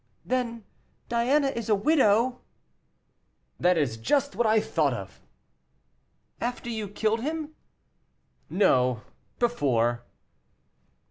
"Then Diana is a widow." "That is just what I thought of." "After you killed him?" "No, before."